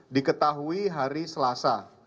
diketahui hari selasa